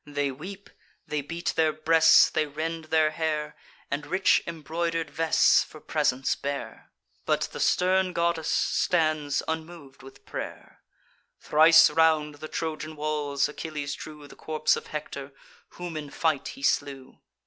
They weep, they beat their breasts, they rend their hair, And rich embroider'd vests for presents bear; But the stern goddess stands unmov'd with pray'r. Thrice round the Trojan walls Achilles drew The corpse of Hector, whom in fight he slew.